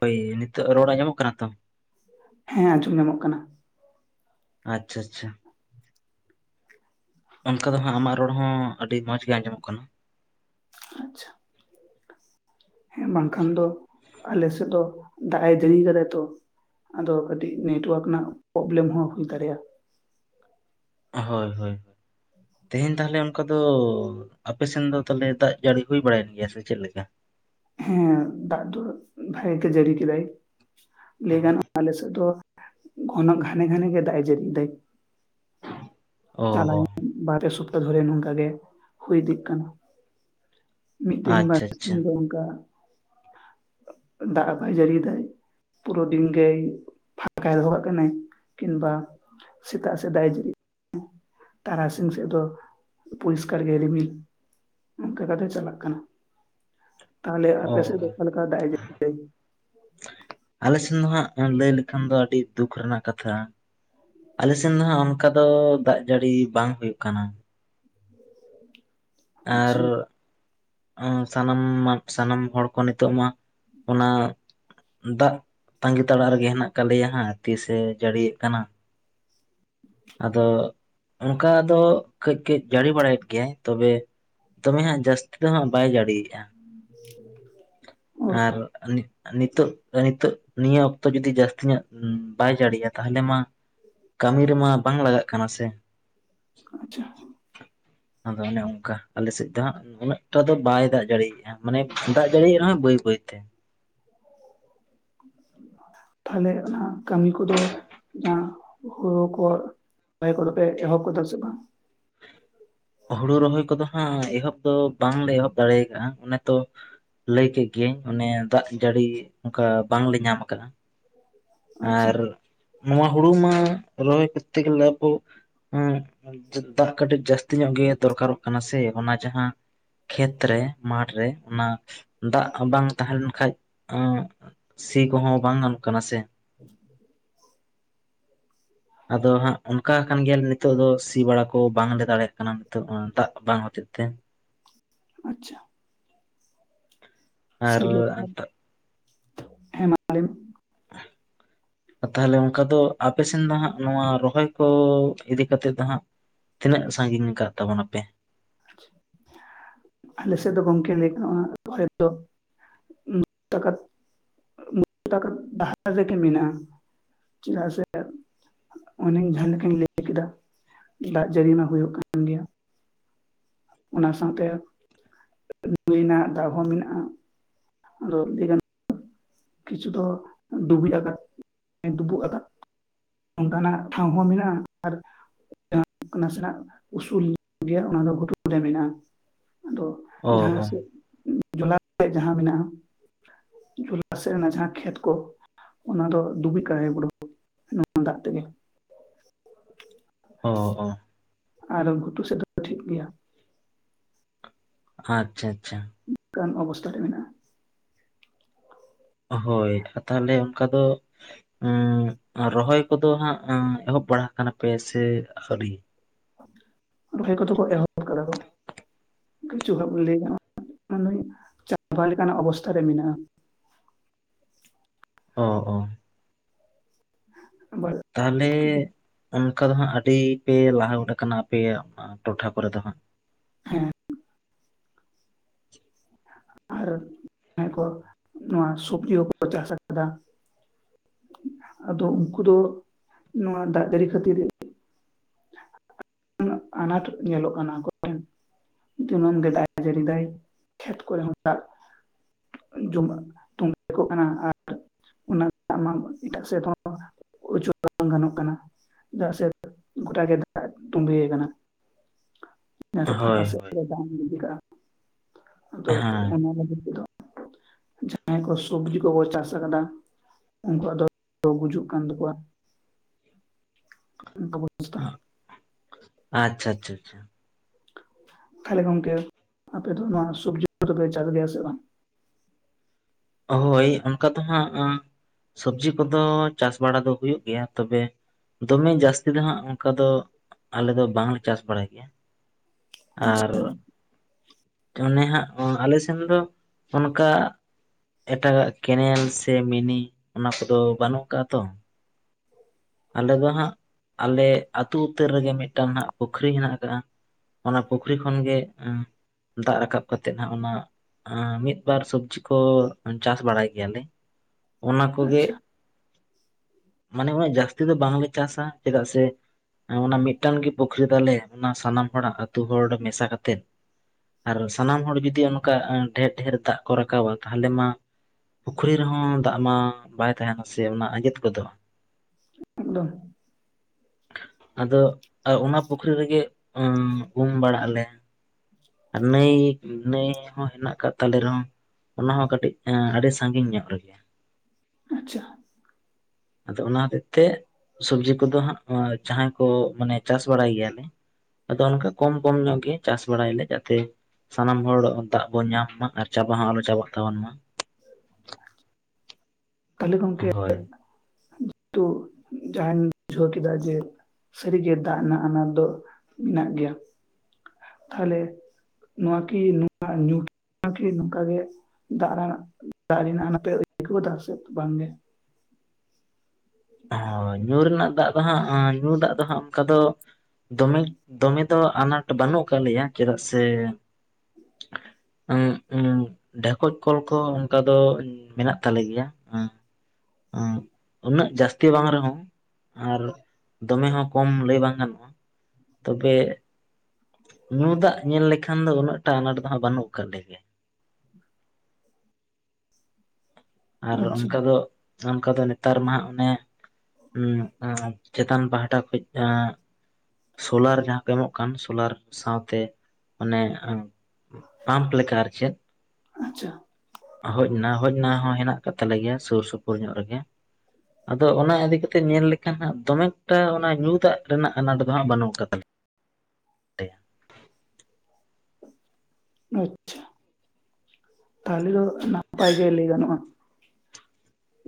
ᱦᱳᱭ ᱱᱤᱛᱚᱜ ᱨᱚᱲ ᱟᱸᱡᱚᱢᱚᱜ ᱠᱟᱱᱟ ᱛᱚ ᱦᱮᱸ ᱟᱸᱡᱚᱢ ᱧᱟᱢᱚᱜ ᱠᱟᱱᱟ ᱟᱪᱪᱷᱟ ᱟᱪᱪᱷᱟ ᱚᱱᱠᱟ ᱫᱚ ᱦᱟᱸᱜ ᱟᱢᱟᱜ ᱨᱚᱲ ᱦᱚᱸ ᱟᱹᱰᱤ ᱢᱚᱸᱡᱽ ᱜᱮ ᱟᱸᱡᱚᱢᱚᱜ ᱠᱟᱱᱟ ᱟᱪᱪᱷᱟ ᱦᱮᱸ ᱵᱟᱝᱠᱷᱟᱱ ᱫᱚ ᱟᱞᱮ ᱥᱮᱫ ᱫᱚ ᱫᱟᱜ ᱮ ᱡᱟᱹᱲᱤ ᱠᱟᱫᱟᱭ ᱛᱚ ᱟᱫᱚ ᱠᱟᱹᱴᱤᱡ ᱱᱮᱴᱣᱟᱨᱠ ᱨᱮᱱᱟᱜ ᱯᱨᱚᱵᱞᱮᱢ ᱦᱚᱸ ᱦᱩᱭ ᱫᱟᱲᱮᱜᱼᱟ ᱦᱳᱭ ᱦᱳᱭ ᱛᱮᱦᱮᱧ ᱛᱟᱦᱞᱮ ᱚᱱᱠᱟ ᱫᱚ ᱟᱯᱮᱥᱮᱱ ᱫᱚ ᱛᱟᱦᱞᱮ ᱫᱟᱜ ᱡᱟᱹᱲᱤ ᱦᱩᱭ ᱵᱟᱲᱟᱭᱮᱱ ᱜᱮᱭᱟ ᱥᱮ ᱪᱮᱫ ᱞᱮᱠᱟ ᱦᱮᱸ ᱫᱟᱜ ᱫᱚ ᱵᱷᱟᱜᱮ ᱜᱮ ᱡᱟᱹᱲᱤ ᱠᱮᱫᱟᱭ ᱞᱟᱹᱭ ᱜᱟᱱᱚᱜᱼᱟ ᱟᱞᱮᱥᱮᱫ ᱫᱚ ᱜᱷᱚᱱᱚ ᱜᱷᱟᱱᱮ ᱜᱷᱟᱱᱮ ᱜᱮ ᱫᱟᱜ ᱮ ᱡᱟᱹᱨᱤ ᱫᱟᱭ ᱚ ᱪᱟᱞᱟᱭ ᱚ ᱵᱟᱨᱮ ᱥᱚᱯᱛᱟ ᱫᱷᱚᱨᱮ ᱱᱚᱝᱠᱟ ᱜᱮ ᱦᱩᱭ ᱤᱫᱤᱜ ᱠᱟᱱᱟ ᱢᱤᱫᱫᱤᱱ ᱟᱪᱪᱷᱟ ᱟᱪᱪᱷᱟ ᱵᱟᱨᱥᱤᱧ ᱫᱚ ᱚᱝᱠᱟ ᱫᱟᱜ ᱦᱚ ᱵᱟᱭ ᱡᱟᱹᱲᱤ ᱫᱟᱭ ᱯᱩᱨᱳ ᱫᱤᱱ ᱜᱮᱭ ᱯᱷᱟᱠᱟᱭ ᱫᱚᱦᱚ ᱠᱟᱜ ᱠᱟᱱᱟᱭ ᱠᱤᱢᱵᱟ ᱥᱮᱛᱟᱜ ᱥᱮᱛᱟᱜ ᱮ ᱛᱟᱨᱟᱥᱤᱧ ᱥᱮᱫ ᱫᱚ ᱯᱚᱨᱤᱥᱠᱟᱨ ᱜᱮ ᱨᱤᱢᱤᱞ ᱚᱱᱠᱟ ᱠᱟᱛᱮᱜ ᱪᱟᱞᱟᱜ ᱠᱟᱱᱟ ᱛᱟᱦᱞᱮ ᱚ ᱟᱯᱮᱥᱮᱫ ᱫᱚ‌ ᱚ ᱚᱠᱟᱞᱮᱠᱟ ᱫᱟᱜ ᱮ ᱡᱟᱹᱲᱤᱭᱟᱭ ᱟᱞᱮ ᱥᱮᱱ ᱫᱚ ᱦᱟᱸᱜ ᱞᱟᱹᱭ ᱞᱮᱠᱷᱟᱱ ᱫᱚ ᱟᱹᱰᱤ ᱫᱩᱠ ᱨᱮᱱᱟᱜ ᱠᱟᱛᱷᱟ ᱟᱞᱮᱥᱮᱱ ᱫᱚ ᱦᱟᱸᱜ ᱚᱱᱠᱟ ᱫᱚ ᱫᱟᱜ ᱡᱟᱹᱲᱤ ᱵᱟᱝ ᱦᱩᱭᱩᱜ ᱠᱟᱱᱟ ᱟᱨ ᱟᱪᱪᱷᱟ ᱥᱟᱱᱟᱢ ᱥᱟᱱᱟᱢ ᱦᱚᱲ ᱠᱚ ᱱᱤᱛᱚᱜ ᱢᱟ ᱚᱱᱟ ᱫᱟᱜ ᱛᱟᱺᱜᱤ ᱛᱟᱲᱟᱜ ᱨᱮᱜᱮ ᱦᱮᱱᱟᱜ ᱠᱟᱫ ᱞᱮᱭᱟ ᱦᱟᱸᱜ ᱛᱤᱥᱮ ᱡᱟᱹᱲᱤᱭᱮᱫ ᱠᱟᱱᱟ [inaudible] ᱟᱫᱚ ᱚᱱᱠᱟ ᱫᱚ ᱠᱟᱹᱡ ᱠᱟ. ᱡ ᱡᱟᱹᱲᱤ ᱵᱟᱲᱟᱭᱮᱫ ᱜᱮᱭᱟᱭ ᱛᱚᱵᱮ ᱫᱚᱢᱮ ᱦᱟᱸᱜ ᱡᱟᱹᱥᱛᱤ ᱫᱚᱦᱟᱸᱜ ᱵᱟᱭ ᱡᱟ. ᱲᱤᱭᱮᱜᱼᱟ [unintelligible] ᱟᱨ [unintelligible] ᱱᱤᱛᱚᱜ ᱱᱤᱛᱚᱜ ᱱᱤᱭᱟᱹ ᱚᱠᱛᱚ ᱡᱩᱫᱤ ᱡᱟᱹᱥᱛᱤ ᱧᱚᱜ ᱵᱟᱭ ᱡᱟᱲᱤᱭᱟ ᱛᱟᱦᱞᱮ ᱢᱟ ᱠᱟᱹᱢᱤ ᱨᱮᱢᱟ ᱵᱟᱝ ᱞᱟᱜᱟᱜ ᱠᱟᱱᱟ ᱥᱮ᱾ ᱟᱪᱪᱷᱟ ᱟᱫᱚ ᱚᱱᱮ ᱚᱱᱠᱟ ᱟᱞᱮᱥᱮᱫ ᱫᱚ ᱦᱟᱸᱜ ᱩᱱᱟᱹᱜᱴᱟ ᱫᱚ ᱵᱟᱭ ᱫᱟᱜ ᱡᱟᱲᱤᱭᱮᱜᱼᱟ᱾ ᱢᱟᱱᱮ ᱫᱟᱜ ᱡᱟᱹᱲᱤᱭᱮ ᱨᱮᱦᱚᱸᱭ ᱵᱟᱹᱭ ᱵᱟᱹᱭ ᱛᱮ᱾ ᱛᱟᱦᱞᱮ ᱚᱱᱟ ᱠᱟᱹᱢᱤ ᱠᱚᱫᱚ ᱚᱱᱟ ᱦᱩᱲᱩ ᱠᱚ [unintelligible] ᱠᱚᱫᱚᱯᱮ ᱮᱦᱚᱵ ᱠᱚᱫᱟ ᱥᱮ ᱵᱟᱝ? ᱦᱩᱲᱩ ᱨᱚᱦᱚᱭ ᱠᱚᱫᱚ ᱦᱟᱸᱜ ᱮᱦᱚᱵ ᱫᱚ ᱵᱟᱝᱞᱮ ᱮᱦᱚᱵ ᱫᱟᱲᱮᱭ ᱠᱟᱜᱼᱟ᱾ ᱚᱱᱮ ᱛᱚ ᱞᱟᱹᱭ ᱠᱮᱫ ᱜᱤᱭᱟᱹᱧ ᱚᱱᱮ ᱫᱟᱜ ᱡᱟᱹᱲᱤ ᱚᱱᱠᱟ ᱵᱟᱝᱞᱮ ᱧᱟᱢ ᱠᱟᱜᱼᱟ᱾ ᱟᱪᱪᱷᱟ ᱟᱨ ᱱᱚᱣᱟ ᱦᱩᱲᱩ ᱢᱟ ᱨᱚᱦᱚᱭ ᱠᱚᱨᱛᱮ ᱜᱮ ᱞᱟᱵ ᱵᱚ ᱦᱩᱸ᱾ ᱫᱟᱜ ᱠᱟᱹᱴᱤᱡ ᱡᱟᱹᱥᱛᱤ ᱧᱚᱜ ᱜᱮ ᱫᱚᱨᱠᱟᱨᱚᱜ ᱠᱟᱱᱟ ᱥᱮ᱾ ᱚᱱᱟ ᱡᱟᱦᱟᱸ ᱠᱷᱮᱛ ᱨᱮ ᱢᱟᱴ ᱨᱮ ᱚᱱᱟ ᱫᱟᱜ ᱵᱟᱝ ᱛᱟᱦᱮᱸ ᱞᱮᱱᱠᱷᱟᱡ ᱥᱤ ᱠᱚᱦᱚᱸ ᱵᱟᱝ ᱜᱟᱱᱚᱜ ᱠᱟᱱᱟ ᱥᱮ᱾ [unintelligible] ᱟᱫᱚ ᱦᱟᱸᱜ ᱚᱱᱠᱟ ᱠᱟᱱ ᱜᱮᱭᱟᱞᱮ ᱱᱤᱛᱚᱜ ᱫᱚ ᱥᱤ ᱵᱟᱲᱟ ᱠᱚ ᱵᱟᱝᱞᱮ ᱫᱟᱲᱮᱭᱟᱜ ᱠᱟᱱᱟ ᱱᱤᱛᱚᱜ ᱫᱚ ᱦᱟᱸ ᱫᱟᱜ ᱵᱟᱝ ᱦᱚᱛᱮᱡ ᱛᱮ᱾ ᱟᱪᱪᱷᱟ᱾ ᱟᱨ [unintelligible] ᱦᱮ ᱢᱟ ᱞᱟᱹᱭ ᱢᱮ? ᱛᱟᱦᱞᱮ ᱚᱱᱠᱟ ᱫᱚ ᱟᱯᱮ ᱥᱮᱱ ᱫᱚ ᱦᱟᱸᱜ ᱱᱚᱣᱟ ᱨᱚᱦᱚᱭ ᱠᱚ ᱤᱫᱤ ᱠᱟᱛᱮᱫ ᱫᱚ ᱦᱟᱸᱜ ᱛᱤᱱᱟᱹᱜ ᱥᱟᱺᱜᱤᱧ ᱠᱟᱫ ᱛᱟᱵᱚᱱ ᱱᱟᱯᱮ? [inaudible] ᱟᱞ ᱥᱮ ᱫᱚ ᱜᱚᱢᱠᱮ ᱞᱟᱹᱭ ᱜᱟᱱᱚᱜᱼᱟ [unintelligible] ᱢᱩᱪᱟᱹᱫ ᱟᱠᱟᱱ ᱰᱟᱦᱟᱨ ᱨᱮᱜᱮ ᱢᱮᱱᱟᱜᱼᱟ᱾ ᱪᱮᱫᱟᱜ ᱥᱮ ᱚᱱᱮ ᱡᱟᱦᱟᱸ ᱞᱮᱠᱟᱧ ᱞᱟᱹᱭ ᱠᱮᱫᱟ ᱫᱟᱜ ᱡᱟᱹᱲᱤ ᱢᱟ ᱦᱩᱭᱩᱜ ᱠᱟᱱ ᱜᱮᱭᱟ᱾ ᱚᱱᱟ ᱥᱟᱶᱛᱮ [unintelligible] ᱨᱮᱱᱟᱜ ᱫᱟᱜ ᱦᱚᱸ ᱢᱮᱱᱟᱜᱼᱟ᱾ ᱟᱫᱚ ᱟᱹᱰᱤ ᱜᱟᱱ ᱠᱤᱪᱷᱩ ᱫᱚ ᱰᱩᱵᱩᱡ ᱟᱠᱟᱫ ᱰᱩᱵᱩᱡ ᱟᱠᱟᱫ ᱚᱱᱠᱟᱱᱟᱜ ᱴᱷᱟᱶ ᱦᱚᱸ ᱢᱮᱱᱟᱜᱼᱟ᱾ ᱟᱨ ᱡᱟᱦᱟᱸ ᱱᱟᱥᱮᱱᱟᱜ ᱩᱥᱩᱞ ᱱᱚᱜ ᱜᱮᱭᱟ ᱚᱱᱟ ᱫᱚ ᱜᱷᱩᱴᱩ ᱨᱮ ᱢᱮᱱᱟᱜᱼᱟ᱾ ᱟᱫᱚ ᱚ ᱡᱟᱦᱟᱸ ᱚ ᱥᱮᱫ ᱡᱚᱞᱟ ᱥᱮ ᱡᱟᱦᱟᱸ ᱢᱮᱱᱟᱜᱼᱟ ᱥᱮᱫ ᱨᱮᱱᱟᱜ ᱡᱟᱦᱟᱸ ᱠᱷᱮᱛ ᱠᱚ ᱚᱱᱟ ᱫᱚ ᱫᱩᱵᱤ ᱠᱩᱵᱩᱡ ᱠᱟᱜᱼᱟᱭ ᱯᱩᱨᱟ. ᱱᱚᱣᱟ ᱫᱟᱜ ᱛᱮᱜᱮ᱾ ᱚ ᱚ᱾ ᱟᱨ ᱜᱷᱩᱴᱩ ᱥᱮᱫ ᱫᱚ ᱴᱷᱤᱠ ᱜᱮᱭᱟ᱾ ᱟᱪᱪᱷᱟ ᱪᱷᱟ ᱪᱷᱟ᱾ ᱚᱱᱠᱟᱱ ᱚᱵᱚᱥᱛᱟ ᱨᱮ ᱢᱮᱱᱟᱜᱼᱟ᱾ ᱦᱚᱭ ᱛᱟᱦᱚᱞᱮ ᱚᱱᱠᱟ ᱫᱚ ᱩᱸ ᱨᱚᱦᱚᱭ ᱠᱚᱫᱚ ᱦᱟᱸᱜ ᱮᱦᱚᱵ ᱵᱟᱲᱟ ᱠᱟᱱᱟᱯᱮ ᱥᱮ ᱟᱣᱨᱤ? ᱨᱚᱦᱚᱭ ᱠᱚᱫᱚ ᱠᱚ ᱮᱦᱚᱵ ᱠᱟᱫᱟ ᱠᱚ᱾ ᱠᱤᱪᱷᱩ ᱦᱚᱲᱟᱜ ᱞᱟᱹᱭ ᱜᱟᱱᱚᱜᱼᱟ ᱪᱟᱵᱟ ᱞᱮᱠᱟᱱᱟᱜ ᱚᱵᱚᱥᱛᱟ ᱨᱮ ᱢᱮᱱᱟᱜᱼᱟ᱾ ᱚ ᱚ᱾ [unintelligible] ᱛᱟᱦᱚᱞᱮ ᱚᱱᱠᱟ ᱫᱚ ᱦᱟᱸᱜ ᱟᱹᱰᱤ ᱯᱮ ᱞᱟᱦᱟ ᱜᱚᱫ ᱟᱠᱟᱱᱟ ᱟᱯᱮᱭᱟᱜ ᱴᱚᱴᱷᱟ ᱠᱚᱨᱮᱫ ᱫᱚ ᱦᱟᱸᱜ᱾ ᱦᱮᱸ᱾ ᱟᱨ ᱡᱟᱦᱟᱸᱭ ᱠᱚ ᱱᱚᱣᱟ ᱥᱚᱵᱡᱤ ᱠᱚᱠᱚ ᱪᱟᱥ ᱟᱠᱟᱫᱟ ᱟᱫᱚ ᱩᱱᱠᱩ ᱫᱚ ᱱᱚᱣᱟ ᱫᱟᱜ ᱡᱟᱹᱲᱤ ᱠᱷᱟᱹᱛᱤᱨ ᱟᱱᱟᱴ ᱧᱮᱞᱚᱜ ᱠᱟᱱᱟ ᱟᱠᱚᱴᱷᱮᱱ᱾ ᱫᱤᱱᱟ. ᱢ ᱜᱮ ᱫᱟᱜ ᱡᱟ. ᱲᱤ ᱫᱟᱭ ᱠᱷᱮᱛ ᱠᱚᱨᱮ ᱦᱚᱸ ᱫᱟᱜ ᱡᱩᱢᱟᱜ ᱛᱚᱸᱜᱮᱠᱚᱜ ᱠᱟᱱᱟ ᱟᱨ ᱚᱱᱟ ᱟᱢᱟᱜ ᱮᱴᱟᱜ ᱥᱮᱫ ᱦᱚᱸ ᱩᱪᱩᱲ ᱵᱟᱝ ᱜᱟᱱᱚᱜ ᱠᱟᱱᱟ ᱪᱮᱫᱟᱜ ᱥᱮ ᱜᱚᱴᱟ ᱜᱮ ᱫᱟᱜ ᱛᱳᱸᱵᱮᱭ ᱠᱟᱱᱟ ᱯᱷᱟᱠᱟ ᱦᱳᱭ ᱥᱮᱫ ᱦᱳᱭ ᱫ ᱤᱫᱤ ᱠᱟᱱᱟ ᱟ [inaudible] ᱫᱚ ᱦᱮᱸ ᱚᱱᱟ ᱞᱟ. ᱜᱤᱫ ᱛᱮᱫᱚ ᱡᱟᱦᱟᱸᱭ ᱠᱚ ᱥᱤᱵᱽᱡᱤ ᱠᱚ ᱠᱚ ᱪᱟᱥ ᱟᱠᱟᱫᱟ ᱩᱝᱠᱩᱣᱟᱜ ᱫᱚ ᱜᱩᱡᱩᱜ ᱠᱟᱱ ᱛᱟᱠᱚᱣᱟ᱾ ᱚᱝᱠᱟ ᱚᱵᱚᱥᱛᱷᱟ᱾ ᱟᱪᱪᱷᱟ ᱪᱷᱟ ᱪᱷᱟ ᱛᱷᱟᱞᱮ ᱜᱚᱝᱠᱮ ᱟᱯᱮ ᱫᱚ ᱱᱚᱣᱟ ᱥᱩᱵᱽᱡᱤ ᱠᱚᱫᱚᱯᱮ ᱪᱟᱥ ᱜᱮᱭᱟ ᱥᱮ ᱵᱟᱝ? ᱦᱳᱭ ᱚᱱᱠᱟ ᱫᱚ ᱦᱟᱸᱜ ᱥᱚᱵᱽᱡᱤ ᱠᱚᱫᱚ ᱪᱟᱥ ᱵᱟᱲᱟ ᱫᱚ ᱦᱩᱭᱩᱜ ᱜᱮᱭᱟ ᱛᱚᱵᱮ ᱫᱚᱢᱮ ᱡᱟᱹᱥᱛᱤ ᱫᱚ ᱦᱟᱸᱜ ᱚᱝᱠᱟ ᱫᱚ ᱟᱞᱮ ᱫᱚ ᱵᱟᱝᱞᱮ ᱪᱟᱥ ᱵᱟᱲᱟᱭ ᱜᱮᱭᱟ᱾ ᱟᱪᱪᱷᱟ ᱟᱨ ᱚᱱᱮ ᱦᱟᱜ ᱟᱞᱮ ᱥᱮᱱ ᱫᱚ ᱚᱱᱠᱟ ᱮᱴᱟᱜᱟᱜ ᱠᱮᱱᱮᱞ ᱥᱮ ᱢᱤᱱᱤ ᱚᱱᱟ ᱠᱚᱫᱚ ᱵᱟᱹᱱᱩᱜ ᱠᱟᱜ-ᱟ ᱛᱚ᱾ ᱟᱞᱮ ᱫᱚ ᱦᱟᱸᱜ ᱟᱞᱮ ᱟᱹᱛᱩ ᱩᱛᱟᱹᱨ ᱨᱮᱜᱮ ᱢᱤᱫᱴᱟᱝ ᱦᱟᱜ ᱯᱩᱠᱷᱨᱤ ᱦᱮᱱᱟᱜ ᱟᱠᱟᱜ-ᱟ᱾ ᱚᱱᱟ ᱯᱩᱠᱷᱨᱤ ᱠᱷᱚᱱᱜᱮ ᱫᱟᱜ ᱨᱟᱠᱟᱵ ᱠᱟᱛᱮᱜ ᱦᱟᱜ ᱚᱱᱟ ᱢᱤᱫᱵᱟᱨ ᱥᱚᱵᱽᱡᱤ ᱠᱚ ᱪᱟᱥ ᱵᱟᱲᱟᱭ ᱜᱮᱭᱟᱞᱮ᱾ ᱚᱱᱟ ᱠᱚᱜᱮ ᱟᱪᱪᱷᱟ ᱢᱟᱱᱮ ᱩᱱᱟᱹᱜ ᱡᱟᱹᱥᱛᱤ ᱫᱚ ᱵᱟᱝᱞᱮ ᱪᱟᱥᱟ ᱪᱮᱫᱟᱜ ᱥᱮ ᱦᱮᱸ ᱚᱱᱟ ᱢᱤᱫᱴᱟᱝ ᱜᱮ ᱯᱩᱠᱷᱨᱤ ᱛᱟᱞᱮ ᱚᱱᱟ ᱥᱟᱱᱟᱢ ᱦᱚᱲᱟᱜ ᱟᱹᱛᱩ ᱦᱚᱲ ᱢᱮᱥᱟ ᱠᱟᱛᱮᱫ ᱟᱨ ᱥᱟᱱᱟᱢ ᱦᱚᱲ ᱡᱩᱫᱤ ᱚᱱᱠᱟ ᱰᱷᱮᱨ ᱰᱷᱮᱨ ᱫᱟᱜ ᱠᱚ ᱨᱟᱠᱟᱵᱟ ᱛᱟᱦᱞᱮ ᱢᱟ ᱯᱩᱠᱷᱨᱤ ᱨᱮᱦᱚᱸ ᱫᱟᱜ ᱢᱟ ᱵᱟᱭ ᱛᱟᱦᱮᱸᱱᱟ ᱥᱮ ᱚᱱᱟ ᱟᱸᱡᱮᱫ ᱜᱫᱚᱜ-ᱟ᱾ ᱮᱜ ᱫᱚᱢ ᱟᱫᱚ ᱚᱱᱟ ᱯᱩᱠᱷᱨᱤ ᱨᱮᱜᱮ ᱩᱢ ᱵᱟᱲᱟᱜ ᱟᱞᱮ᱾ ᱟᱨ ᱱᱟᱹᱭ ᱱᱟᱹᱭ ᱦᱚᱸ ᱦᱮᱱᱟᱜ ᱠᱫ ᱛᱟᱞᱮ ᱨᱮᱦᱚᱸ ᱚᱱᱟ ᱦᱚᱸ ᱠᱟᱹᱴᱤᱡ ᱟᱹᱰᱤ ᱥᱟᱜᱤᱧ ᱧᱚᱜ ᱨᱮᱜᱮ᱾ ᱟᱪᱪᱷᱟ ᱟᱫᱚ ᱚᱱᱟ ᱦᱚᱛᱮᱡ ᱛᱮ ᱥᱩᱵᱡᱤ ᱠᱚᱫᱚ ᱦᱟᱸᱜ ᱡᱟᱦᱟᱸᱭ ᱠᱚ ᱢᱟᱱᱮ ᱪᱟᱥ ᱵᱟᱲᱟᱭ ᱜᱮᱭᱟᱞᱮ ᱟᱫᱚ ᱚᱱᱠᱟ ᱠᱚᱢ ᱠᱚᱢ ᱧᱚᱜ ᱜᱮ ᱪᱟᱥ ᱵᱟᱲᱟᱭᱞᱮ, ᱛᱮ ᱥᱟᱱᱟᱢ ᱦᱚᱲ ᱫᱟᱜ ᱵᱚᱱ ᱧᱟᱢ ᱢᱟ ᱟᱨ ᱪᱟᱵᱟ ᱦᱚᱸ ᱟᱞᱚ ᱪᱟᱵᱟᱜ ᱛᱟᱵᱚᱱ ᱢᱟ᱾ ᱛᱟᱦᱞᱮ ᱜᱚᱝᱠᱮ ᱦᱳᱭ ᱛᱩ ᱡᱟᱦᱟᱧ ᱵᱩᱡᱷᱟᱹᱣ ᱠᱮᱫᱟ ᱡᱮ ᱥᱟᱹᱨᱤᱜᱮ ᱫᱟᱜ ᱨᱮᱱᱟᱜ ᱟᱱᱟᱴ ᱫᱚ ᱢᱮᱱᱟᱜ ᱜᱮᱭᱟ᱾ᱛᱟᱦᱞᱮ ᱱᱚᱣᱟ ᱠᱤ ᱧᱩ ᱫᱟᱜ ᱱᱚᱭᱟ ᱠᱤ ᱱᱚᱝᱟ ᱜᱮ [unintelligible] ᱱᱟᱛᱮ ᱫ ᱥᱮ ᱵᱟᱝᱜᱮ ᱦᱳᱭ ᱧᱩ ᱨᱮᱱᱟᱜ ᱫᱟᱜ ᱫᱚ ᱦᱟᱸᱜ ᱧᱩ ᱫᱟᱜ ᱫᱚ ᱦᱟᱸᱜ ᱚᱱᱠᱟ ᱫᱚ ᱫᱚᱢᱮ ᱫᱚᱢᱮ ᱫᱚ ᱟᱱᱟᱴ ᱵᱟᱹᱱᱩᱜ ᱟᱠᱟᱜ ᱞᱮᱭᱟ ᱪᱮᱫᱟᱜ ᱥᱮ [inaudible] ᱚᱸ ᱮᱸ ᱰᱷᱮᱠᱚᱡ ᱠᱚᱞ ᱠᱚ ᱚᱱᱠᱟ ᱫᱚ ᱢᱮᱱᱟᱜ ᱛᱟᱞᱮ ᱜᱮᱭᱟ᱾ ᱚᱸ ᱩᱱᱟᱹᱜ ᱡᱟᱥᱛᱤ ᱵᱟᱝ ᱨᱮᱦᱚᱸ ᱟᱨ ᱫᱚᱢᱮ ᱦᱚᱸ ᱠᱚᱢ ᱞᱟᱹᱭ ᱵᱟᱝ ᱜᱟᱱᱚᱜ-ᱟ, ᱛᱚᱵᱮ ᱧᱩ ᱫᱟᱜ ᱧᱮᱞ ᱞᱮᱠᱷᱟᱱ ᱫᱚ ᱩᱱᱟᱹᱜ ᱴᱟ ᱟᱱᱟᱴ ᱫᱚ ᱦᱟᱸᱜ ᱵᱟᱹᱱᱩᱜ ᱟᱠᱟᱜ ᱞᱮᱜᱮᱭᱟ᱾ ᱟᱨ ᱟᱪᱪᱷᱟ ᱚᱱᱠᱟ ᱫᱚ ᱚᱱᱠᱟ ᱫᱚ ᱱᱮᱛᱟᱨ ᱢᱟ ᱚᱱᱮ ᱩᱢ ᱟ ᱪᱮᱛᱟᱱ ᱯᱟᱦᱴᱟ ᱠᱷᱚᱡ ᱮ ᱥᱳᱞᱟᱨ ᱡᱟᱦᱟᱸ ᱠᱚ ᱮᱢᱚᱜ ᱠᱟᱱ ᱥᱳᱞᱟᱨ ᱥᱟᱶᱛᱮ ᱢᱟᱱᱮ ᱯᱟᱢᱯ ᱞᱮᱠᱟ ᱟᱨ ᱪᱮᱫ ᱟᱪᱪᱷᱟ ᱾ ᱦᱚᱡᱽ ᱱᱟ ᱦᱚᱡᱽ ᱱᱟ ᱦᱚᱸ ᱦᱮᱱᱟᱜ ᱠᱟᱫ ᱛᱟᱞᱮ ᱜᱮᱭᱟ ᱥᱩᱨ ᱥᱩᱯᱩᱨ ᱧᱚᱜ ᱨᱮᱜᱮ ᱟᱫᱚ ᱚᱱᱟ ᱤᱫᱤ ᱠᱟᱛᱮ ᱧᱮᱞ ᱞᱮᱠᱷᱟᱱ ᱦᱟᱸᱜ ᱫᱚᱢᱮ ᱮᱠᱴᱟ ᱚᱱᱟ ᱧᱩ ᱫᱟᱜ ᱨᱮᱱᱟᱜ ᱟᱱᱟᱴ ᱫᱚ ᱦᱟᱸᱜ ᱵᱟᱹᱱᱩᱜ ᱟᱠᱟᱫ ᱛᱟᱞᱮᱭᱟ ᱾ ᱟᱪᱪᱷᱟ, ᱛᱟᱦᱚᱞᱮ ᱫᱚ ᱱᱟᱯᱟᱭ ᱜᱮ ᱞᱟᱹᱭ ᱜᱟᱱᱚᱜᱼᱟ ᱾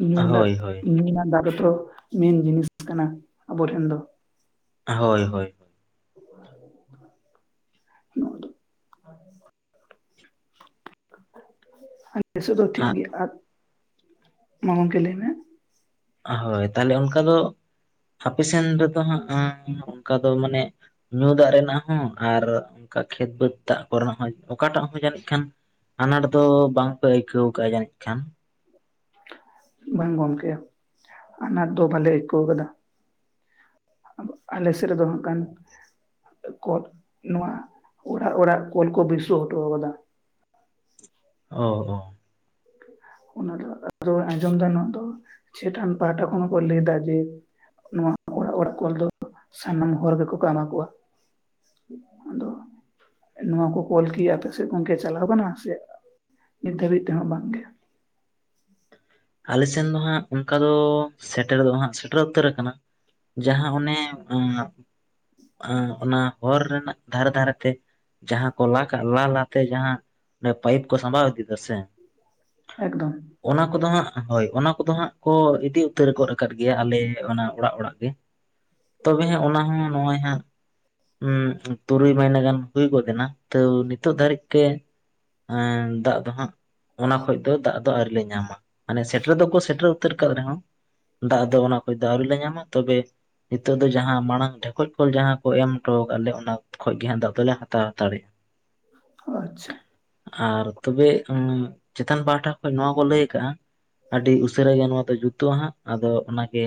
ᱧᱩ ᱫᱟᱜ ᱦᱳᱭ ᱦᱳᱭ ᱧᱩ ᱨᱮᱱᱟᱜ ᱫᱟᱜ ᱜᱮᱛᱚ ᱢᱮᱱ ᱡᱤᱱᱤᱥ ᱠᱟᱱᱟ ᱟᱵᱚ ᱴᱷᱮᱱ ᱫᱚ ᱦᱳᱭ ᱦᱳᱭ ᱾ [unintelligible] ᱟᱞᱮᱥᱮᱫ ᱫᱚ ᱴᱷᱤᱠ ᱜᱮᱭᱟ ᱟᱨ ᱢᱟ ᱜᱚᱝᱠᱮ ᱞᱟᱹᱭ ᱢᱮ ᱾ ᱦᱳᱭ ᱛᱟᱦᱚᱞᱮ ᱚᱱᱠᱟ ᱫᱚ ᱦᱟᱯᱮ ᱥᱮᱱ ᱨᱮᱫᱚ ᱦᱟᱸᱜ ᱚᱱᱠᱟ ᱫᱚ ᱢᱟᱱᱮ ᱧᱩ ᱫᱟᱜ ᱨᱮᱱᱟᱜ ᱦᱚᱸ ᱟᱨ ᱚᱱᱠᱟ ᱠᱷᱮᱛ ᱵᱟᱹᱫᱽ ᱫᱟᱜ ᱠᱚᱨᱮᱱᱟᱜ ᱦᱚᱸ ᱚᱠᱟᱴᱟᱜ ᱦᱚᱸ ᱡᱟᱹᱱᱤᱡ ᱠᱷᱟᱱ ᱟᱱᱟᱴ ᱫᱚ ᱵᱟᱝ ᱯᱮ ᱟᱹᱭᱠᱟᱹᱣ ᱟᱠᱟᱜᱼᱟ ᱡᱟᱹᱱᱤᱡ ᱠᱷᱟᱱ ᱾ ᱵᱟᱝ ᱜᱚᱝᱠᱮ ᱚᱱᱟᱴ ᱫᱚ ᱵᱟᱞᱮ ᱟᱹᱭᱠᱟᱹᱣ ᱠᱟᱫᱟ ᱾ ᱟᱞᱮ ᱥᱮᱫ ᱨᱮᱫᱚ ᱦᱟᱜ ᱜᱟᱱ ᱠᱚᱞ ᱱᱚᱣᱟ ᱚᱲᱟᱜ ᱚᱲᱟᱜ ᱠᱚᱞ ᱠᱚ ᱵᱟᱹᱥᱟᱹᱣ ᱦᱚᱴᱚ ᱟᱠᱟᱫᱟ ᱾ ᱦᱚ ᱦᱚ ᱾ ᱚᱱᱟ ᱫᱚ ᱨᱚᱲ ᱟᱸᱡᱚᱢ ᱫᱟ ᱱᱚᱭᱟ ᱫᱚ ᱪᱮᱛᱟᱱ ᱯᱟᱦᱴᱟ ᱠᱷᱚᱱ ᱠᱚ ᱞᱟᱹᱭ ᱫᱟ ᱡᱮ ᱱᱚᱣᱟ ᱚᱲᱟᱜ ᱚᱲᱟᱜ ᱠᱚᱞ ᱫᱚ ᱥᱟᱱᱟᱢ ᱦᱚᱲ ᱜᱮᱠᱚ ᱠᱟ ᱮᱢᱟ ᱠᱚᱣᱟ ᱾ ᱟᱫᱚ ᱱᱚᱣᱟ ᱠᱚ ᱠᱚᱞ ᱠᱤ ᱟᱯᱮ ᱥᱮᱫ ᱜᱚᱝᱠᱮ ᱪᱟᱞᱟᱣ ᱟᱠᱟᱱᱟ ᱥᱮ ᱱᱤᱛ ᱫᱷᱟᱹᱵᱤᱡ ᱛᱮᱦᱚᱸ ᱵᱟᱝᱜᱮ? [inaudible] ᱟᱞᱮ ᱥᱮᱱ ᱫᱚ ᱦᱟᱸᱜ ᱚᱱᱠᱟ ᱫᱚ ᱥᱮᱴᱮᱨ ᱫᱚ ᱦᱟᱸᱜ ᱥᱮᱴᱮᱨ ᱩᱛᱟᱹᱨ ᱟᱠᱟᱱᱟ ᱡᱟᱦᱟᱸ ᱚᱱᱮ ᱚ ᱚᱱᱟ ᱦᱚᱨ ᱨᱮᱱᱟᱜ ᱫᱷᱟᱨᱮ ᱫᱷᱟᱨᱮ ᱛᱮ ᱡᱟᱦᱟᱸ ᱠᱚ ᱞᱟ ᱠᱟᱜᱼᱟ ᱞᱟ ᱞᱟᱛᱮ ᱡᱟᱦᱟᱸ ᱚᱱᱮ ᱯᱟᱭᱤᱯ ᱠᱚ ᱥᱟᱢᱵᱟᱣ ᱤᱫᱤ ᱫᱚ ᱦᱮᱸᱥᱮ ᱥᱮ ᱾ ᱮᱠᱫᱚᱢ ᱾ ᱚᱱᱟ ᱠᱚᱫᱚ ᱦᱟᱸᱜ ᱦᱳᱭ ᱚᱱᱟ ᱠᱚᱫᱚ ᱦᱟᱸᱜ ᱠᱚ ᱤᱫᱤ ᱩᱛᱟᱹᱨ ᱜᱚᱫ ᱟᱠᱟᱫ ᱜᱮᱭᱟ ᱟᱞᱮ ᱚᱱᱟ ᱚᱲᱟᱜ ᱚᱲᱟᱜ ᱜᱮ ᱛᱚᱵᱮ ᱚᱱᱟ ᱦᱚᱸ ᱱᱚᱜᱼᱚᱭ ᱦᱟᱸᱜ ᱦᱸ ᱛᱩᱨᱩᱭ ᱢᱟᱹᱦᱱᱟᱹ ᱜᱟᱱ ᱦᱩᱭ ᱜᱚᱫ ᱮᱱᱟ ᱛᱚ ᱱᱤᱛᱚᱜ ᱫᱷᱟᱹᱨᱤᱡ ᱛᱮ ᱮᱸ ᱫᱟᱜ ᱫᱚᱦᱟᱸᱜ ᱚᱱᱟ ᱠᱷᱚᱡ ᱫᱚ ᱫᱟᱜ ᱫᱚ ᱟᱹᱣᱨᱤ ᱞᱮ ᱧᱟᱢᱟ ᱾ ᱢᱟᱱᱮ ᱥᱮᱴᱮᱨ ᱫᱚᱠᱚ ᱥᱮᱴᱮᱨ ᱩᱛᱟᱹᱨ ᱟᱠᱟᱫ ᱨᱮᱦᱚᱸ ᱫᱟᱜ ᱫᱚ ᱚᱱᱟ ᱠᱷᱚᱡ ᱫᱚ ᱟᱹᱣᱨᱤ ᱞᱮ ᱧᱟᱢᱟ ᱛᱚᱵᱮ ᱱᱤᱛᱚᱜ ᱫᱚ ᱡᱟᱦᱟᱸ ᱢᱟᱲᱟᱝ ᱰᱷᱮᱠᱚᱡ ᱠᱚᱞ ᱡᱟᱦᱟᱸ ᱠᱚ ᱮᱢ ᱦᱚᱴᱚ ᱟᱠᱟᱫ ᱞᱮᱭᱟ ᱚᱱᱟ ᱠᱷᱚᱡ ᱜᱮ ᱦᱟᱸᱜ ᱫᱟᱜ ᱫᱚᱞᱮ ᱦᱟᱛᱟᱣ ᱦᱟᱛᱟᱲᱮᱜᱼᱟ ᱾ [inaudible] ᱟᱪᱪᱷᱟ ᱾ ᱟᱨ ᱛᱚᱵᱮ ᱪᱮᱛᱟᱱ ᱯᱟᱦᱴᱟ ᱠᱷᱚᱱ ᱱᱚᱣᱟ ᱠᱚ ᱞᱟᱹᱭ ᱠᱟᱜᱼᱟ ᱟᱹᱰᱤ ᱩᱥᱟᱹᱨᱟ ᱜᱮ ᱱᱚᱣᱟ ᱫᱚ ᱡᱩᱛᱚᱜᱼᱟ ᱦᱟᱸᱜ ᱟᱫᱚ ᱚᱱᱟᱜᱮ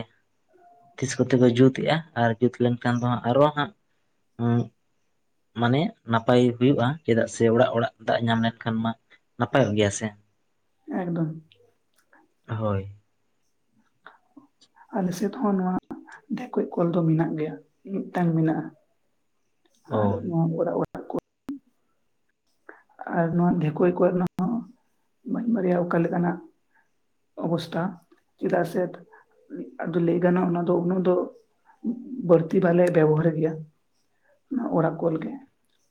ᱛᱤᱥ ᱠᱚᱛᱮ ᱠᱚ ᱡᱩᱛᱮᱜᱼᱟ ᱟᱨ ᱡᱩᱛ ᱞᱮᱱᱠᱷᱟᱱ ᱫᱚ ᱦᱟᱸᱜ ᱟᱨᱚ ᱦᱟᱸᱜ ᱢᱟᱱᱮ ᱱᱟᱯᱟᱭ ᱦᱩᱭᱩᱜᱼᱟ ᱪᱮᱫᱟᱜ ᱥᱮ ᱚᱲᱟᱜ ᱚᱲᱟᱜ ᱫᱟᱜ ᱧᱟᱢ ᱞᱮᱱᱠᱷᱟᱱ ᱢᱟ ᱱᱟᱯᱟᱭᱚᱜ ᱜᱮᱭᱟ ᱥᱮ ᱾ ᱮᱠᱫᱚᱢ ᱾ ᱦᱳᱭ ᱾ ᱟᱞᱮ ᱥᱮᱫ ᱦᱚᱸ ᱱᱚᱣᱟ ᱰᱷᱮᱠᱚᱡ ᱠᱚᱞ ᱫᱚ ᱢᱮᱱᱟᱜ ᱜᱮᱭᱟ, ᱢᱤᱫᱴᱟᱝ ᱢᱮᱱᱟᱜᱼᱟ ᱚ ᱟᱨ ᱱᱚᱣᱟ ᱚᱲᱟᱜ ᱚᱲᱟᱜ ᱟᱨ ᱱᱚᱣᱟ ᱰᱷᱮᱠᱚᱡ ᱠᱚᱨᱮ ᱦᱚᱸ ᱵᱟᱹᱧ ᱵᱟᱨᱟᱭᱟ ᱚᱠᱟ ᱞᱮᱠᱟᱱᱟᱜ ᱚᱵᱚᱥᱛᱷᱟ ᱪᱮᱫᱟᱜ ᱥᱮ ᱟᱫᱚ ᱞᱟᱹᱭ ᱜᱟᱱᱚᱜ ᱱᱚᱣᱟ ᱫᱚ ᱩᱱᱟᱹᱜ ᱫᱚ ᱵᱟᱹᱲᱛᱤ ᱵᱟᱞᱮ ᱵᱮᱵᱚᱦᱟᱨ ᱜᱮᱭᱟ ᱚᱲᱟᱜ ᱠᱚᱞᱮ ᱜᱮ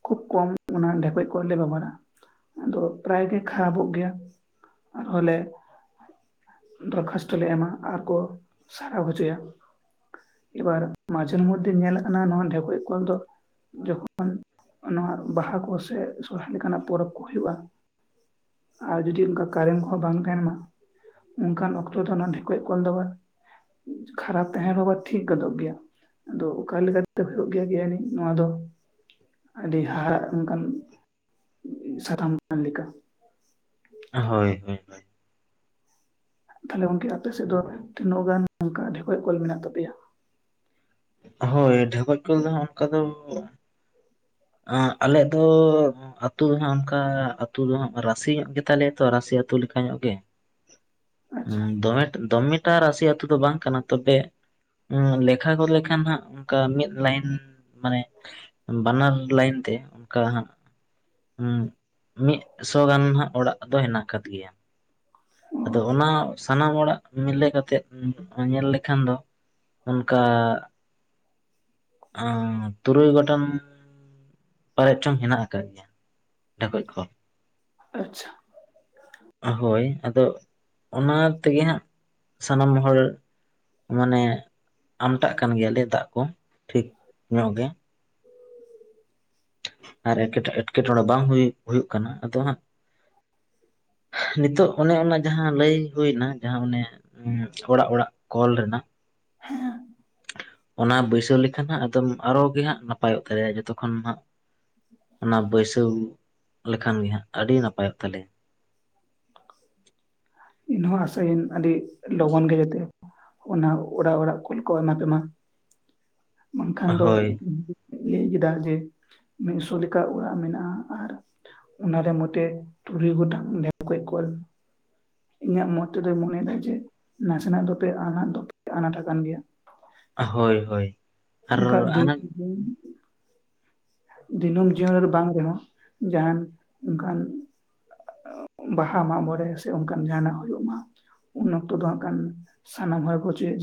ᱠᱷᱩᱵ ᱠᱚᱢ ᱚᱱᱟ ᱰᱷᱮᱠᱚᱡ ᱠᱚᱞ ᱵᱮᱵᱚᱦᱟᱨᱟ ᱟᱫᱚ ᱯᱨᱟᱭ ᱜᱮ ᱠᱷᱟᱨᱟᱵᱚᱜ ᱜᱮᱭᱟ ᱟᱨᱦᱚᱸ ᱞᱮ ᱫᱚᱨᱠᱷᱟᱥᱛᱚ ᱞᱮ ᱮᱢᱟ ᱟᱨ ᱠᱚ ᱥᱟᱨᱦᱟᱣ ᱦᱚᱪᱚᱭᱟ ᱮᱵᱟᱨ ᱢᱟᱡᱷᱮᱨ ᱢᱚᱫᱫᱷᱮ ᱧᱮᱞᱮᱜ ᱠᱟᱱᱟ ᱱᱚᱣᱟ ᱰᱷᱮᱠᱚᱡ ᱠᱚ ᱫᱚ ᱡᱚᱠᱷᱚᱱ ᱱᱚᱣᱟ ᱵᱟᱦᱟ ᱠᱚ ᱥᱮ ᱥᱚᱨᱦᱟᱭ ᱞᱮᱠᱟᱱᱟᱜ ᱯᱚᱨᱚᱵᱽ ᱠᱚ ᱦᱩᱭᱩᱜᱼᱟ᱾ ᱟᱨ ᱡᱩᱫᱤ ᱚᱱᱠᱟ ᱠᱟᱨᱮᱱ ᱠᱚᱦᱚᱸ ᱵᱟᱝ ᱛᱟᱦᱮᱱ ᱢᱟ ᱚᱱᱠᱟᱱ ᱚᱠᱛᱚ ᱫᱚ ᱚᱱᱟ ᱰᱷᱮᱠᱚᱡ ᱠᱚᱞ ᱫᱚ ᱠᱷᱟᱨᱟᱯ ᱛᱟᱦᱮᱱ ᱨᱮᱦᱚᱸ ᱵᱟ ᱴᱷᱤᱠ ᱜᱚᱫᱚᱜ ᱜᱮᱭᱟ ᱟᱫᱚ ᱚᱠᱟ ᱞᱮᱠᱟ ᱛᱮ ᱦᱩᱭᱩᱜ ᱜᱮᱭᱟ ᱠᱤ ᱟᱹᱞᱤᱧ ᱱᱚᱣᱟ ᱫᱚ ᱟᱹᱰᱤ ᱦᱟᱦᱟᱲᱟᱜ ᱚᱱᱠᱟᱱ ᱥᱟᱛᱟᱢ ᱠᱟᱱ ᱞᱮᱠᱟ ᱦᱳᱭ ᱦᱳᱭ ᱛᱟᱦᱞᱮ ᱜᱚᱝᱠᱮ ᱟᱯᱮ ᱥᱮᱫ ᱫᱚ ᱛᱤᱱᱟᱹᱜ ᱜᱟᱱ ᱚᱱᱠᱟ ᱰᱷᱮᱠᱚᱡ ᱠᱚᱞ ᱢᱮᱱᱟᱜ ᱛᱟᱯᱮᱭᱟ᱾ ᱦᱳᱭ ᱰᱷᱮᱠᱚᱡ ᱠᱚᱞ ᱫᱚ ᱦᱟᱸᱜ ᱚᱱᱠᱟ ᱫᱚ ᱟᱸ ᱟᱞᱮᱭᱟᱜ ᱫᱚ ᱟᱹᱛᱩ ᱫᱚ ᱦᱟᱸᱜ ᱚᱱᱠᱟ ᱟᱹᱛᱩ ᱫᱚ ᱦᱟᱸᱜ ᱨᱟᱥᱤ ᱧᱚᱜ ᱜᱮ ᱛᱟᱞᱮᱭᱟ ᱛᱚ ᱨᱟᱥᱤ ᱟᱹᱛᱩ ᱞᱮᱠᱟ ᱧᱚᱜ ᱜᱮ ᱦᱮᱸ ᱟᱪᱪᱷᱟ ᱫᱚᱢᱮ ᱫᱚᱢᱮᱴᱟ ᱨᱟᱥᱤ ᱟᱹᱛᱩ ᱫᱚ ᱵᱟᱝ ᱠᱟᱱᱟ ᱛᱚᱵᱮ ᱟᱸ ᱞᱮᱠᱷᱟ ᱜᱚᱫ ᱞᱮᱠᱷᱟᱱ ᱦᱟᱸᱜ ᱚᱱᱠᱟ ᱢᱤᱫ ᱞᱟᱭᱤᱱ ᱢᱟᱱᱮ ᱵᱟᱱᱟᱨ ᱞᱟᱭᱤᱱ ᱛᱮ ᱚᱱᱠᱟ ᱦᱟᱸᱜ ᱦᱩᱸ ᱢᱤᱫᱥᱚ ᱜᱟᱱ ᱦᱟᱸᱜ ᱚᱲᱟᱜ ᱫᱚ ᱦᱮᱱᱟᱜ ᱟᱠᱟᱫ ᱜᱮᱭᱟ ᱟᱫᱚ ᱚ ᱚᱱᱟ ᱥᱟᱱᱟᱢ ᱚᱲᱟᱜ ᱢᱤᱞᱮ ᱠᱟᱛᱮᱫ ᱧᱮᱞ ᱞᱮᱠᱷᱟᱱ ᱫᱚ ᱚᱱᱠᱟ ᱟᱸᱻ ᱛᱩᱨᱩᱭ ᱜᱚᱴᱟᱱ ᱯᱟᱞᱮᱫ ᱪᱚᱝ ᱦᱮᱱᱟᱜ ᱠᱟᱫ ᱜᱮᱭᱟ ᱰᱷᱮᱠᱚᱡ ᱠᱚᱞ ᱟᱪᱪᱷᱟ ᱦᱳᱭ ᱟᱫᱚ ᱚᱱᱟ ᱛᱮᱜᱮ ᱦᱟᱸᱜ ᱥᱟᱱᱟᱢ ᱦᱚᱲ ᱢᱟᱱᱮ ᱟᱢᱴᱟᱜ ᱠᱟᱱ ᱜᱮᱭᱟᱞᱮ ᱫᱟᱜ ᱠᱚ ᱴᱷᱤᱠ ᱧᱚᱜ ᱜᱮ ᱟᱨ ᱮᱠᱮᱴ ᱮᱸᱴᱠᱮᱴᱚᱬᱮ ᱵᱟᱝ ᱦᱩᱭ ᱦᱩᱭᱩᱜ ᱠᱟᱱᱟ ᱟᱫᱚ ᱦᱟᱸᱜ ᱱᱤᱛᱚᱜ ᱚᱱᱮ ᱚᱱᱟ ᱡᱟᱦᱟᱸ ᱞᱟᱹᱭ ᱦᱩᱭᱮᱱᱟ ᱡᱟᱦᱟᱸ ᱚᱱᱮ ᱚᱲᱟᱜ ᱚᱲᱟᱜ ᱠᱚᱞ ᱨᱮᱱᱟᱜ ᱦᱮᱸ [inaudible] ᱚᱱᱟ ᱵᱟᱹᱭᱥᱟᱹᱣ ᱞᱮᱠᱷᱟᱱ ᱦᱟᱸᱜ ᱮᱠᱫᱚᱢ ᱟᱨᱚ ᱜᱮ ᱦᱟᱸᱜ ᱱᱟᱯᱟᱭᱚᱜ ᱛᱟᱞᱮᱭᱟ ᱡᱚᱛᱚ ᱠᱷᱚᱱ ᱦᱟᱸᱜ ᱚᱱᱟ ᱵᱟᱹᱭᱥᱟᱹᱣ ᱞᱮᱠᱷᱟᱱ ᱜᱮ ᱦᱟᱸᱜ ᱟᱹᱰᱤ ᱱᱟᱯᱟᱭᱚᱜ ᱛᱟᱞᱮᱭᱟ᱾ ᱤᱱ ᱦᱚᱸ ᱟᱥᱟᱭᱟᱹᱧ ᱟᱹᱰᱤ ᱞᱚᱜᱚᱱ ᱜᱮ ᱡᱟᱛᱮ ᱚᱱᱟ ᱚᱲᱟᱜ ᱚᱲᱟᱜ ᱠᱚᱞ ᱠᱚ ᱮᱢᱟ ᱯᱮᱢᱟ ᱵᱟᱝᱠᱷᱟᱱ ᱫᱚ ᱦᱳᱭ ᱞᱟᱹᱭ ᱠᱮᱫᱟ ᱡᱮ ᱢᱤᱫᱥᱚ ᱞᱮᱠᱟ ᱚᱲᱟᱜ ᱢᱮᱱᱟᱜᱼᱟ᱾ ᱟᱨ ᱚᱱᱟᱨᱮ ᱢᱚᱴᱷᱮ ᱛᱩᱨᱩᱭ ᱜᱚᱴᱟᱝ ᱰᱷᱮᱠᱚᱡ ᱠᱚᱞ ᱤᱧᱟᱹᱜ ᱢᱚᱛ ᱛᱮᱫᱚᱭ ᱢᱚᱱᱮᱭᱮᱫᱟ ᱡᱮ ᱱᱟᱥᱮᱱᱟᱜ ᱫᱚᱯᱮ ᱟᱱᱟᱴ ᱫᱚᱯᱮ ᱟᱱᱟᱴ ᱟᱠᱟᱱ ᱜᱮᱭᱟ ᱦᱳᱭ ᱦᱳᱭ ᱟᱨ ᱚᱱᱠᱟ [unintelligible] ᱟᱱᱟᱴ ᱫᱤᱱᱟᱹᱢ ᱡᱤᱭᱚᱱ ᱨᱮ ᱵᱟᱝ ᱨᱮᱦᱚᱸ ᱡᱟᱦᱟᱱ ᱚᱱᱠᱟᱱ ᱵᱟᱦᱟ ᱢᱟᱜ ᱢᱚᱬᱮ ᱥᱮ ᱚᱱᱠᱟᱱ ᱡᱟᱦᱟᱱᱟᱜ ᱦᱩᱭᱩᱜ ᱢᱟ ᱩᱱ ᱚᱠᱛᱚ ᱫᱚ ᱦᱟᱸᱜ ᱠᱟᱱ ᱥᱟᱱᱟᱢ ᱦᱚᱲ ᱠᱚ ᱪᱮᱫ